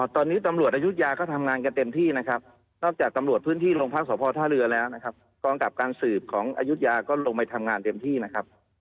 ตอนนี้ตำรวจอายุทยาก็ทำงานกันเต็มที่นะครับนอกจากตำรวจพื้นที่โรงพักษพท่าเรือแล้วนะครับกองกับการสืบของอายุทยาก็ลงไปทำงานเต็มที่นะครับ